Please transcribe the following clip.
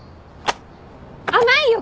甘いよ！